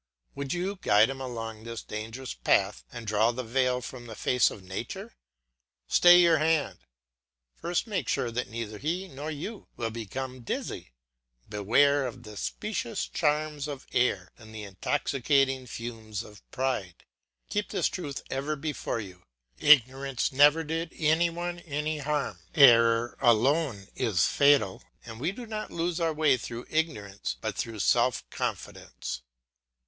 Would you guide him along this dangerous path and draw the veil from the face of nature? Stay your hand. First make sure that neither he nor you will become dizzy. Beware of the specious charms of error and the intoxicating fumes of pride. Keep this truth ever before you Ignorance never did any one any harm, error alone is fatal, and we do not lose our way through ignorance but through self confidence.